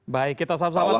baik kita sama sama